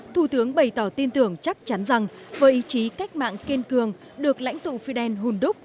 thủ tướng bày tỏ tin tưởng chắc chắn rằng với ý chí cách mạng kiên cường được lãnh tụ fidel hùn đúc